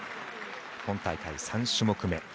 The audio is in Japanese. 今大会３種目め。